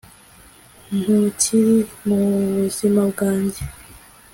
ntukiri mubuzima bwanjye